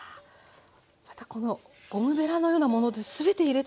またこの大ベラのようなもので全て入れたいですね。